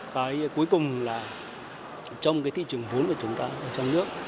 cái cuối cùng là trong cái thị trường vốn của chúng ta ở trong nước